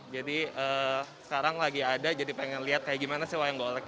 jadi sekarang lagi ada jadi pengen lihat kayak gimana sih wayang golek gitu